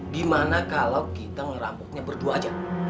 gimana kalau kita merampoknya berdua aja